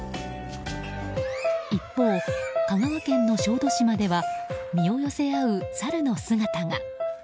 一方、香川県の小豆島では身を寄せ合うサルの姿が。